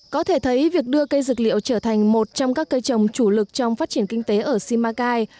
có thể thấy việc đưa cây dược liệu trở thành một trong các cây trồng chủ lực trong phát triển kinh tế ở simacai